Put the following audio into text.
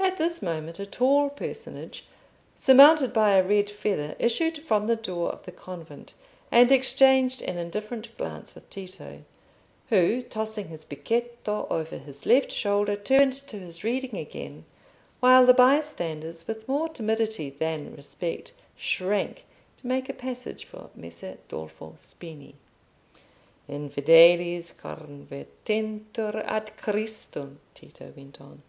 At this moment, a tall personage, surmounted by a red feather, issued from the door of the convent, and exchanged an indifferent glance with Tito; who, tossing his becchetto carelessly over his left shoulder, turned to his reading again, while the bystanders, with more timidity than respect, shrank to make a passage for Messer Dolfo Spini. "Infideles convertentur ad Christum," Tito went on.